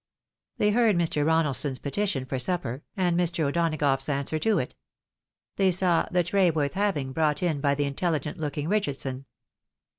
They heard Mr. Eonaldson's petition for supper, and Mr. O'Donagough's answer to it. They saw the " tray worth hav ing" brought in by the intelhgent looking Eichardson.